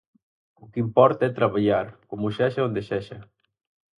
O que importa é traballar, como sexa e onde sexa.